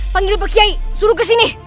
panggil pak kiai suruh kesini